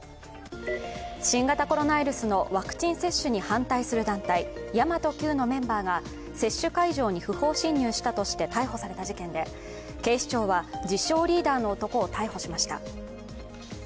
新型コロナウイルスのワクチン接種に反対する団体、神真都Ｑのメンバーが接種会場に不法侵入したとして逮捕された事件で警視庁は自称・リーダーの男を逮捕しました。